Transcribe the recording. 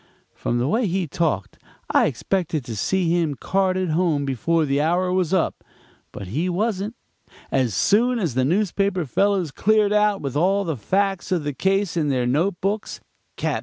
"From the way he talked I expected to see him carted home before the hour was up; but he wasn't. As soon as the newspaper fellows cleared out with all the facts of the case in their note books, Cap.